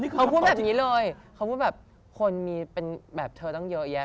เขาพูดแบบนี้เลยเขาพูดแบบคนมีเป็นแบบเธอตั้งเยอะแยะ